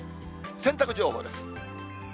洗濯情報です。